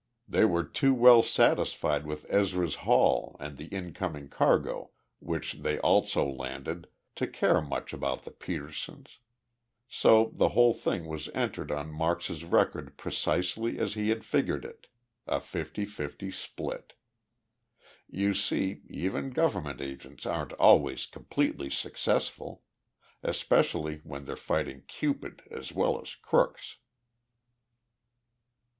They were too well satisfied with Ezra's haul and the incoming cargo, which they also landed, to care much about the Petersens. So the whole thing was entered on Marks's record precisely as he had figured it a fifty fifty split. You see, even government agents aren't always completely successful especially when they're fighting Cupid as well as crooks!"